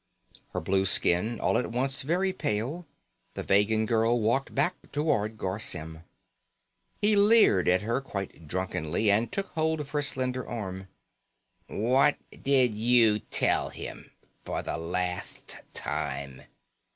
Her blue skin all at once very pale, the Vegan girl walked back toward Garr Symm. He leered at her quite drunkenly and took hold of her slender arm. "What did you tell him? For the latht time."